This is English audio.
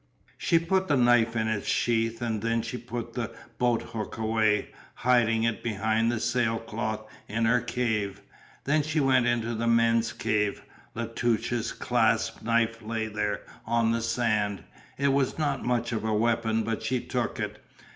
She put the knife in its sheath and then she put the boat hook away, hiding it behind the sailcloth in her cave, then she went into the men's cave. La Touche's clasp knife lay there on the sand, it was not much of a weapon but she took it.